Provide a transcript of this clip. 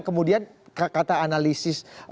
kemudian kata analisis